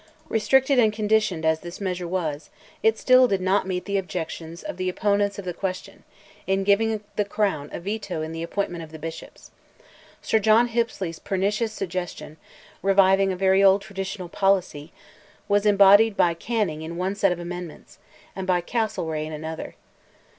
Restricted and conditioned as this measure was, it still did not meet the objections of the opponents of the question, in giving the crown a Veto in the appointment of the bishops. Sir John Hippesley's pernicious suggestion—reviving a very old traditional policy—was embodied by Canning in one set of amendments, and by Castlereagh in another.